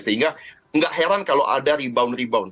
sehingga nggak heran kalau ada rebound rebound